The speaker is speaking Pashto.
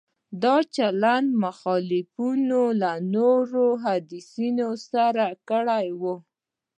دا چلند مخالفانو له نورو حدیثونو سره کړی وای.